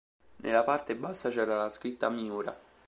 Nella parte bassa c'era la scritta "Miura".